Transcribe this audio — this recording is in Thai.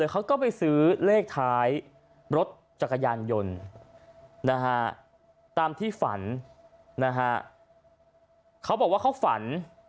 เขาบอกว่าเขาฝัน